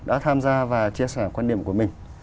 đã tham gia và chia sẻ quan điểm của mình